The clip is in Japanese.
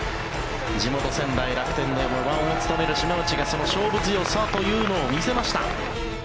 地元・仙台楽天の４番を務める島内がその勝負強さというのを見せました。